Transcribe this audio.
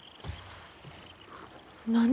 何？